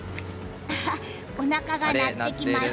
おなかが鳴ってきました。